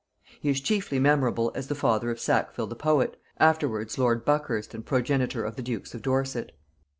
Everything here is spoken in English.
He is chiefly memorable as the father of Sackville the poet, afterwards lord Buckhurst and progenitor of the dukes of Dorset.